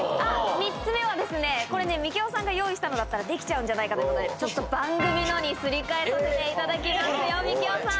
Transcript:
３つ目はこれねミキオさんが用意したのだったらできちゃうんじゃないかってことで番組のにすり替えさせていただきますよミキオさん。